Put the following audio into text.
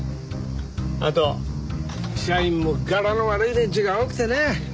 あと社員も柄の悪い連中が多くてね。